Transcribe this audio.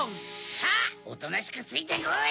さぁおとなしくついてこい！